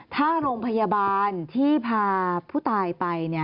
ถ้าโรงพยาบาลที่พาผู้ตายไป